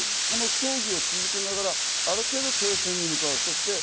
この協議を続けながら、ある程度停戦に向かう。